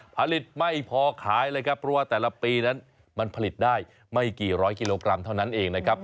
ผลิตไม่พอขายเลยครับเพราะว่าแต่ละปีนั้นมันผลิตได้ไม่กี่ร้อยกิโลกรัมเท่านั้นเองนะครับ